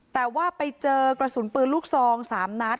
แต่ว่าไปเจอกระสุนปืนลูกซอง๓นัด